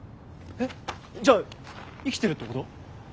えっじゃあ生きてるってこと？